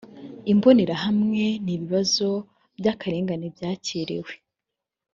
imbonerahamwe no ibibazo by akarengane byakiriwe